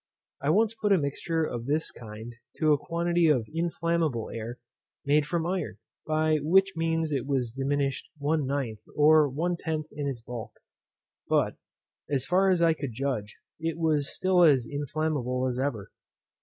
I once put a mixture of this kind to a quantity of inflammable air, made from iron, by which means it was diminished 1/9 or 1/10 in its bulk; but, as far as I could judge, it was still as inflammable as ever.